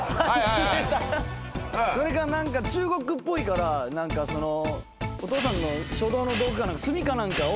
それか何か中国っぽいからお父さんの書道の道具か何かを墨か何かを。